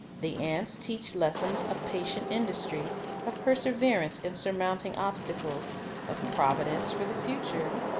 The ants teach lessons of patient industry, of perseverance in surmounting obstacles, of providence for the future.